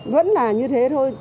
vẫn là như thế thôi